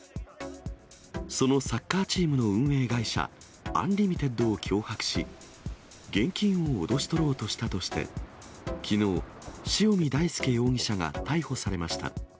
そのサッカーチームの運営会社、アンリミテッドを脅迫し、現金を脅し取ろうとしたとして、きのう、塩見大輔容疑者が逮捕されました。